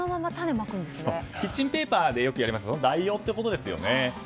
キッチンペーパーでよくやりますけどその代用ということですね。